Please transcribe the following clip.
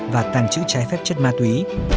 và tàn trữ trái phép chất ma túy